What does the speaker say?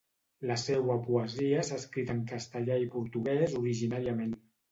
La seua poesia s'ha escrit en castellà i portuguès originalment.